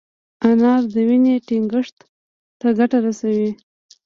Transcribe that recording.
انار د وینې ټينګښت ته ګټه رسوي.